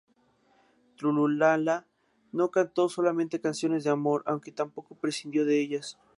Tru-la-lá no cantó solamente canciones de amor, aunque tampoco prescindió de ellas.